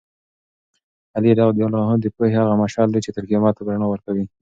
علي رض د پوهې هغه مشعل دی چې تر قیامته به رڼا ورکوي.